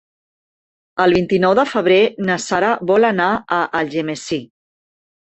El vint-i-nou de febrer na Sara vol anar a Algemesí.